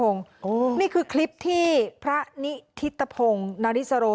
นี่คือคลิปที่พระนิธิตภงร์นาริสโรห์